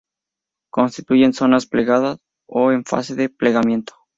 Constituyen zonas plegadas o en fase de plegamiento.